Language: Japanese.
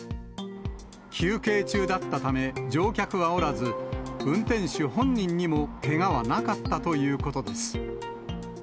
休憩中だったため、乗客はおらず、運転手本人にもけがはなかったということです。